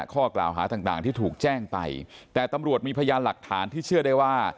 ข้อกล่าวหาต่างที่ถูกแจ้งไปแต่ตำรวจมีพยานหลักฐานที่เชื่อได้ว่า